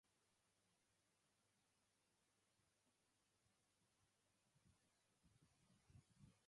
He asked me if I knew that the Sun rises in the East.